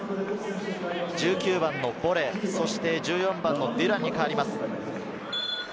１９番のボレー、１４番のデュランに代わります。